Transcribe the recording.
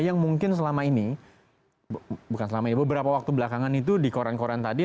yang mungkin selama ini bukan selama ini beberapa waktu belakangan itu di koran koran tadi